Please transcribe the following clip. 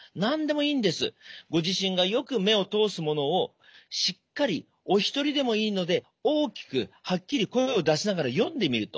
ご自身がよく目を通すものをしっかりお一人でもいいので大きくはっきり声を出しながら読んでみると。